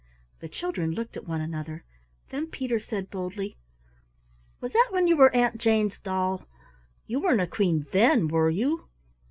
The children looked at one another. Then Peter said boldly: "Was that when you were Aunt Jane's doll? You weren't a Queen then, were you?"